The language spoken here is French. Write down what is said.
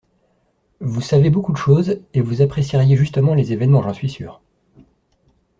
Vous savez beaucoup de choses, et vous appréciez justement les événements, j'en suis sûr.